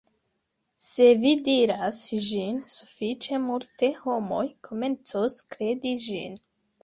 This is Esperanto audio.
se vi diras ĝin sufiĉe multe, homoj komencos kredi ĝin